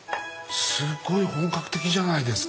すごい本格的じゃないですか。